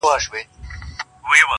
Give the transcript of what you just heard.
ټول لښکر مي ستا په واک کي درکومه٫